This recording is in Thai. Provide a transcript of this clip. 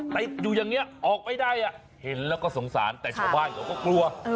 ติดอยู่อย่างนี้ออกไม่ได้เห็นแล้วก็สงสารแต่ชาวบ้านเขาก็กลัว